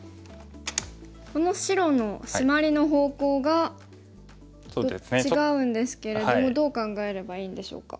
この白のシマリの方向が違うんですけれどもどう考えればいいんでしょうか。